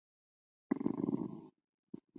武汉大学教育科学学院